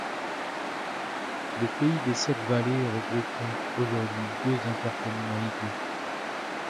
Le pays des Sept Vallées regroupe donc aujourd'hui deux intercommunalités.